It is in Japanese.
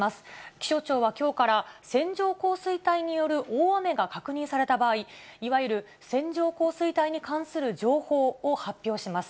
気象庁はきょうから、線状降水帯による大雨が確認された場合、いわゆる線状降水帯に関する情報を発表します。